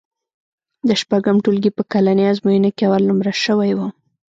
د شپږم ټولګي په کلنۍ ازموینه کې اول نومره شوی وم.